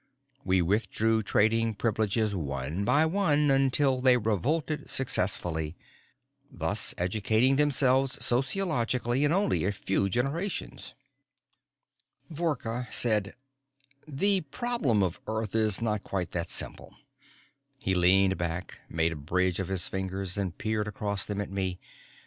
We withdrew trading privileges one by one, until they revolted successfully, thus educating themselves sociologically in only a few generations. Vorka said, "The problem of Earth is not quite that simple." He leaned back, made a bridge of his fingers, and peered across them at me.